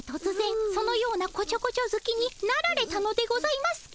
そのようなこちょこちょずきになられたのでございますか？